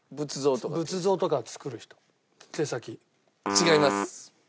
違います。